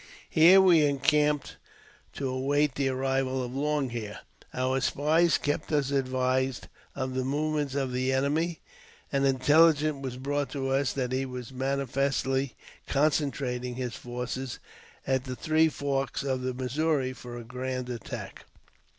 Here we encamped to await the arrival of Long Hair. Our spies kept us advised of the movements of the enemy, and intelligence was brought us that he was manifestly concen 248 AUTOBIOGRAPHY OF trating his forces at the Three Forks of the Missouri for a grand attack.